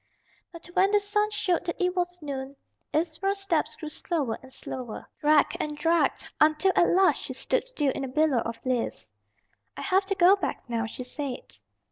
But when the sun showed that it was noon, Ivra's steps grew slower and slower, dragged and dragged, until at last she stood still in a billow of leaves. "I have to go back now," she said.